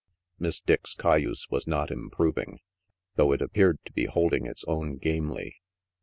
Miss Dick's cayuse was not improving, though it appeared to be holding its own gamely.